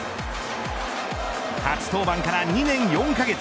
初登板から２年４カ月。